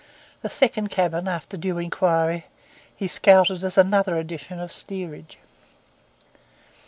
The second cabin, after due inquiry, he scouted as another edition of the steerage.